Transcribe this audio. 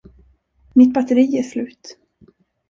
Mitt batteri är slut.